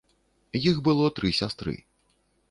Іх было тры сястры.